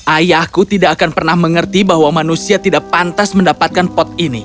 ayahku tidak akan pernah mengerti bahwa manusia tidak pantas mendapatkan pot ini